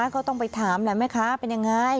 ก็ต้องไปถามแม่คะเป็นยังไง